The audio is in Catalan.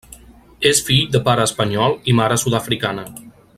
És fill de pare espanyol i mare sud-africana.